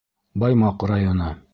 Баймаҡ районы.